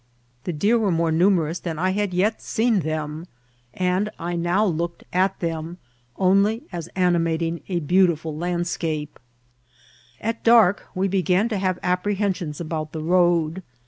The deer were more anaeroiia than I bad yet aeen them, aad I now looked at diem only as animating a beaotifid landscape. At dark we began to have apprehensions about the road.